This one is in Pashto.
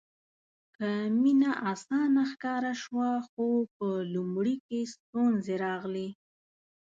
که مینه اسانه ښکاره شوه خو په لومړي کې ستونزې راغلې.